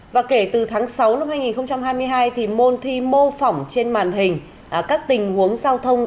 và kể từ tháng sáu năm hai nghìn hai mươi hai thì môn thi mô phỏng trên màn hình các tình huống giao thông